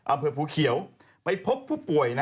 อำเภอภูเขียวไปพบผู้ป่วยนะ